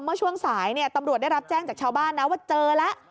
เมื่อช่วงสายตำรวจได้รับแจ้งจากชาวบ้านนะว่าเจอแล้ว